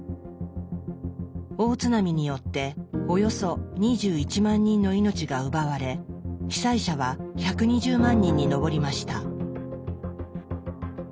大津波によっておよそ２１万人の命が奪われ被災者は１２０万人に上りました。